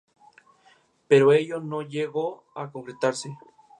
Ese mismo año su legado quedó depositado en la Universidad de Salamanca.